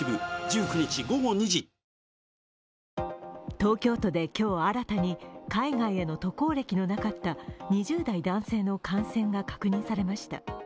東京都で今日新たに海外への渡航歴のなかった２０代男性の感染が確認されました。